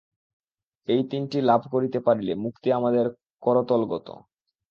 এই তিনটি লাভ করিতে পারিলে মুক্তি আমাদের করতলগত।